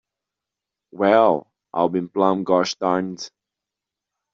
Well, I'll be plumb gosh darned.